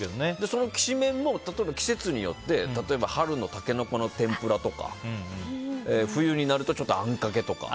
そのきしめんも、季節によって例えば春のタケノコの天ぷらとか冬になると、あんかけとか。